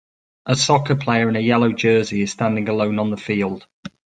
A soccer player in a yellow jersey is standing alone on the field.